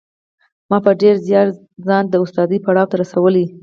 ما په ډېر زیار ځان د استادۍ پړاو ته رسولی